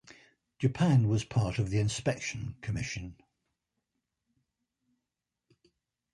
Japan was part of the inspection commission.